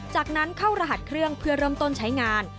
จากนั้นเข้ารหัสเครื่องเพื่อเริ่มต้นใช้งาน